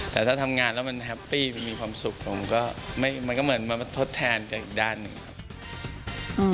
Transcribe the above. แต่ถ้าทำงานแล้วมันแฮปปี้มันมีความสุขผมก็มันก็เหมือนมาทดแทนจากอีกด้านหนึ่งครับ